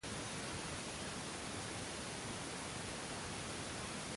Es más alto que los cielos: ¿qué harás?